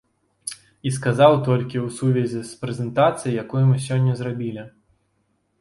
І сказаў толькі ў сувязі з прэзентацыяй, якую мы сёння зрабілі.